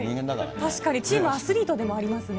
確かにチームアスリートでもありますからね。